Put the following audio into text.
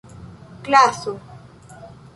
klaso